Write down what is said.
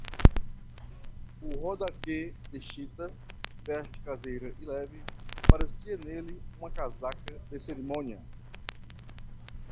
O rodaque de chita, veste caseira e leve, parecia nele uma casaca de cerimônia.